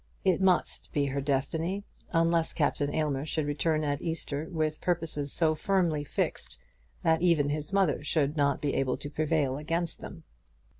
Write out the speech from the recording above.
It must be her destiny, unless Captain Aylmer should return at Easter with purposes so firmly fixed that even his mother should not be able to prevail against them.